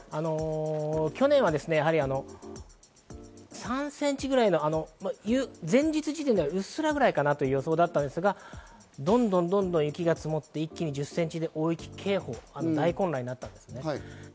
去年は３センチぐらいの、前日時点では、うっすらぐらいかなという予想だったんですが、どんどん雪が積もって一気に１０センチ、大雪警報、大混乱になったんです。